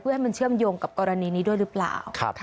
ให้มันเชื่อมโยงกับกรณีนี้ด้วยหรือเปล่า